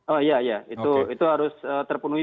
oh iya iya itu harus terpenuhi